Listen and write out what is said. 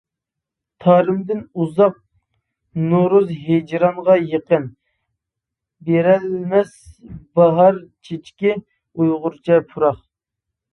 تارىمدىن ئۇزاق نورۇز ھىجرانغا يېقىن، بېرەلمەس باھار چېچىكى ئۇيغۇرچە پۇراق.